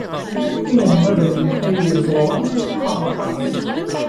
Inelmaden ay iẓewren qqaren aṭas.